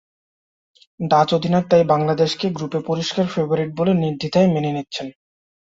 Dutch অধিনায়ক তাই বাংলাদেশকে গ্রুপে পরিষ্কার ফেবারিট বলে নির্দ্বিধায় মেনে নিচ্ছেন।